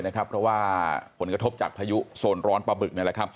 เพราะว่าผลกระทบจากพายุโซนร้อนปลาบึก